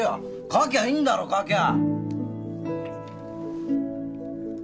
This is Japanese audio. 書きゃいいんだろ書きゃ！